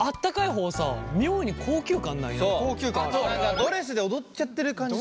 ドレスで踊っちゃってる感じすんだよな。